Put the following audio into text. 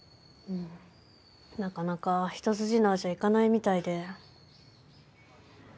なかなか一筋縄じゃいかないみたいで。